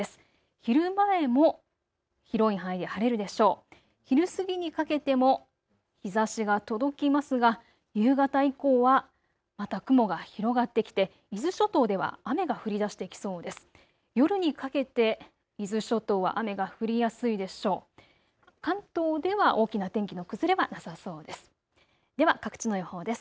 昼過ぎにかけても日ざしは届きますが夕方以降はまた雲が広がってきて伊豆諸島では雨が降りだしてきそうです。